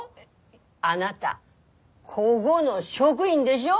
あなたこごの職員でしょ？